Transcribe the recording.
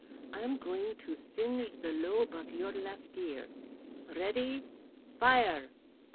I am going to singe the lobe of your left ear. Ready! Fire!"